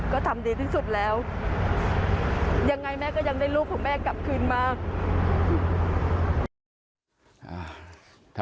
ก็ทำดีที่สุดแล้วยังไงแม่ก็ยังได้ลูกของแม่กลับคืนมา